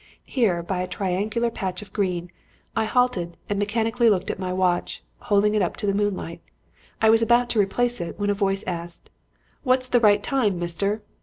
Here, by a triangular patch of green, I halted and mechanically looked at my watch, holding it up in the moonlight. I was about to replace it when a voice asked: "'What's the right time, mister?'